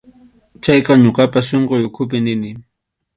Chayqa ñuqapas sunquy ukhupi nini.